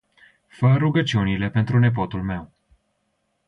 Fa rugaciunile pt nepotul meu.